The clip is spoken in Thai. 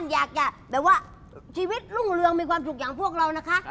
อยากจะแบบว่าชีวิตรุ่งเรืองมีความสุขอย่างพวกเรานะคะ